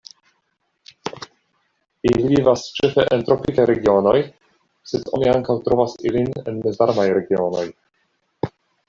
Ili vivas ĉefe en tropikaj regionoj, sed oni ankaŭ trovas ilin en mezvarmaj regionoj.